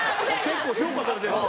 結構評価されてるんだ？